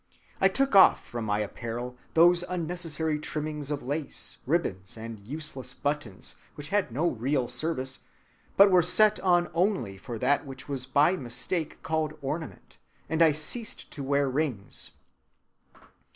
"I took off from my apparel those unnecessary trimmings of lace, ribbons, and useless buttons, which had no real service, but were set on only for that which was by mistake called ornament; and I ceased to wear rings.